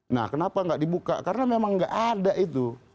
nah kenapa nggak dibuka karena memang nggak ada itu